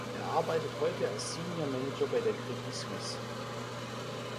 Er arbeitet heute als Senior Manager bei der Credit Suisse.